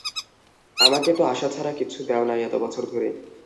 আমাকে তো আশা ছাড়া কিচ্ছু দেও নাই এতোবছর ধরে।